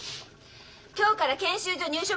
今日から研修所